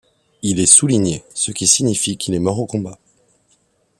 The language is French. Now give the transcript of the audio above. Il est souligné, ce qui signifie qu’il est mort au combat.